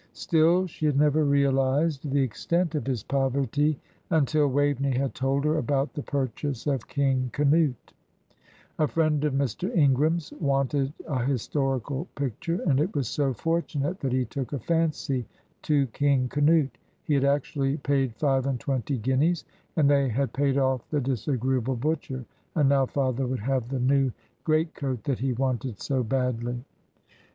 Still she had never realised the extent of his poverty until Waveney had told her about the purchase of "King Canute." A friend of Mr. Ingram's wanted a historical picture, and it was so fortunate that he took a fancy to "King Canute!" he had actually paid five and twenty guineas, and they had paid off the disagreeable butcher; and now father would have the new great coat that he wanted so badly.